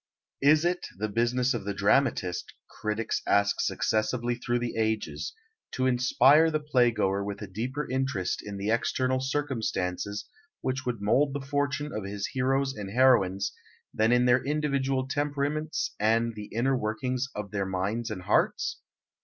Is it the business of the dramatist, critics ask successively through the ages, to inspire the playgoer with a deeper interest in the external circumstances which mould the fortunes of his heroes and heroines than in their individual temperaments and the inner workings of their minds and hearts?